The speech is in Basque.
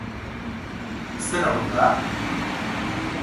Zer ordu da?